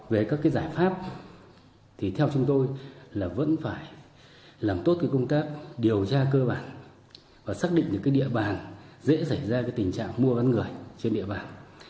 về các giải pháp thì theo chúng tôi là vẫn phải làm tốt công tác điều tra cơ bản và xác định được địa bàn dễ xảy ra tình trạng mua bán người trên địa bàn